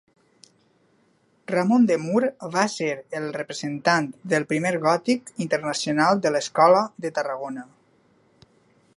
Ramon de Mur va ser el representant del primer gòtic internacional de l'escola de Tarragona.